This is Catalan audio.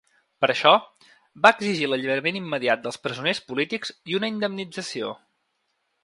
Per això, va exigir l’alliberament immediat dels presoners polítics i una indemnització.